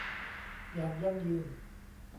อย่างยั่งยืน